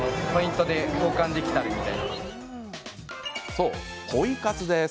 そう、ポイ活です。